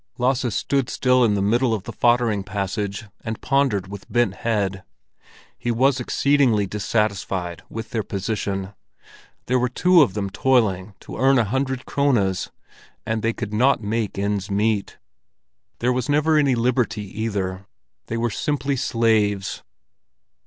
Lasse stood still in the middle of the foddering passage, and pondered with bent head. He was exceedingly dissatisfied with their position; there were two of them toiling to earn a hundred krones, and they could not make ends meet. There was never any liberty either; they were simply slaves.